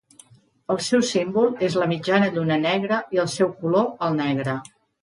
El seu símbol és la mitjana lluna negra i el seu color el negre.